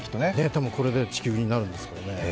多分これで地球になるんでしょうね。